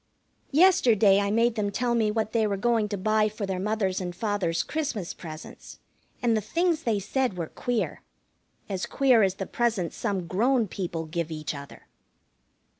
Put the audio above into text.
Yesterday I made them tell me what they were going to buy for their mother's and father's Christmas presents, and the things they said were queer. As queer as the presents some grown people give each other.